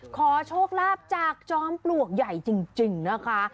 ขอโชคลาภจากจอมปลวกใหญ่จริงนะคะ